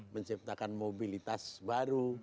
menciptakan mobilitas baru